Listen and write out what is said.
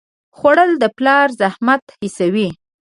خوړل د پلار زحمت حسوي